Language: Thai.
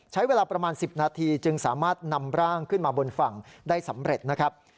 ใช้เวลาประมาณ๑๐นาทีจึงสามารถนำร่างขึ้นมาบนฝั่งได้สำเร็จนะครับ